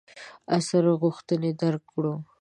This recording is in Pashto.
عصر غوښتنې درک کړو.